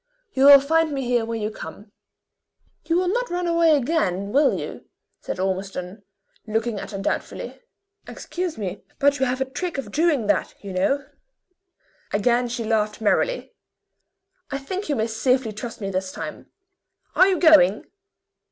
You will find me here when you come." "You will not run away again, will you?" said Ormiston, looking at her doubtfully. "Excuse me; but you have a trick of doing that, you know." Again she laughed merrily. "I think you may safely trust me this time. Are you going?"